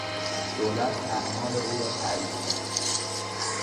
دولت اعمال او را تایید کرد.